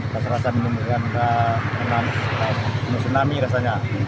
rasa rasa menunjukkan menunjukkan tsunami rasanya